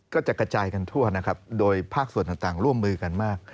ก็จะกระจายกันทั่วนะครับโดยภาคส่วนต่างร่วมมือกันมาก